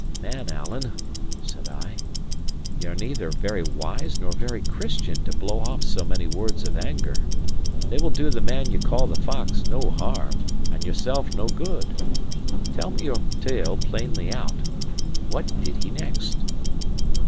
"Man Alan," said I, "ye are neither very wise nor very Christian to blow off so many words of anger. They will do the man ye call the Fox no harm, and yourself no good. Tell me your tale plainly out. What did he next?"